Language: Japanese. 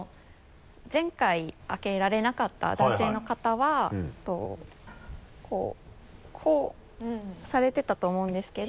前回開けられなかった男性の方はこうされてたと思うんですけど。